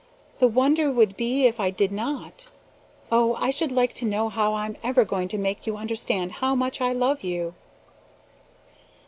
The wonder would be if I did not. Oh, I should like to know how I'm ever going to make you understand how much I love you!"